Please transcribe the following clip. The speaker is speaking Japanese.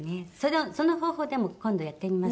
その方法でも今度やってみますね。